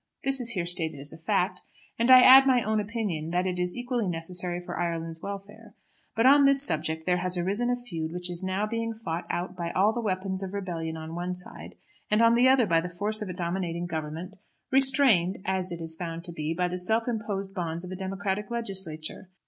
This is here stated as a fact, and I add my own opinion that it is equally necessary for Ireland's welfare. But on this subject there has arisen a feud which is now being fought out by all the weapons of rebellion on one side, and on the other by the force of a dominating Government, restrained, as it is found to be, by the self imposed bonds of a democratic legislature.